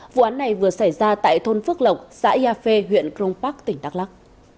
vụ án này vừa xảy ra tại thôn phước lộng xã ia phê huyện crong park tỉnh đắk lắc